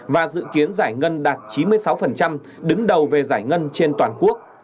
và dự kiến giải ngân đạt chín mươi sáu đứng đầu về giải ngân trên toàn quốc